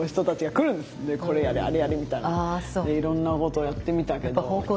いろんなことやってみたけど。